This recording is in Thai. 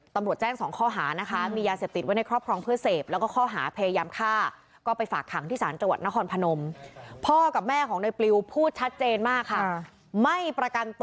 ตำรวจแจ้ง๒ข้อหานะคะมียาเสพติดไว้ในครอบครองเพื่อเสพ